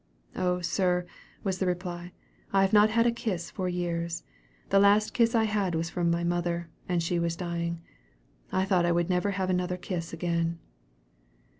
"Oh sir," was the reply, "I have not had a kiss for years. The last kiss I had was from my mother, and she was dying. I thought I would never have another kiss again."